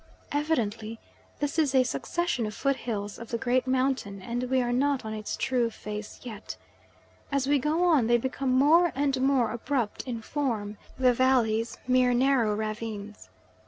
Evidently this is a succession of foot hills of the great mountain and we are not on its true face yet. As we go on they become more and more abrupt in form, the valleys mere narrow ravines.